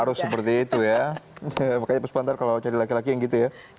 harus seperti itu ya makanya sebentar kalau cari laki laki yang gitu ya